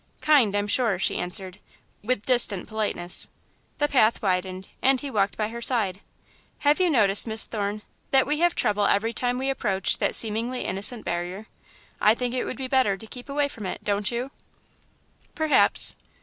"Kind, I'm sure," she answered, with distant politeness. The path widened, and he walked by her side. "Have you noticed, Miss Thorne, that we have trouble every time we approach that seemingly innocent barrier? I think it would be better to keep away from it, don't you?" "Perhaps."